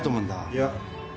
いや。